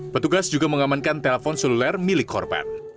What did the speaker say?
petugas juga mengamankan telpon seluler milik korban